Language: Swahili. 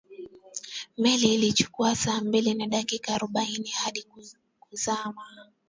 meli ilichukua saa mbili na dakika arobaini hadi kuzama